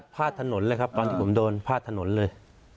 พลาดถนนเลยครับก่อนผมโดนพลาดถนนเลย